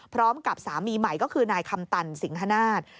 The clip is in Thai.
พร้อมกับสามีใหม่ก็คือนายคำตันสิงฮนาศ